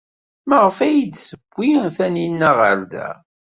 Maɣef ay iyi-d-tewwi Taninna ɣer da?